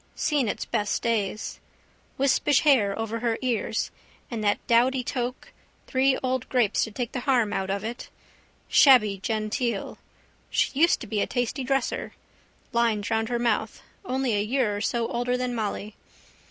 Seen its best days. Wispish hair over her ears. And that dowdy toque: three old grapes to take the harm out of it. Shabby genteel. She used to be a tasty dresser. Lines round her mouth. Only a year or so older than Molly.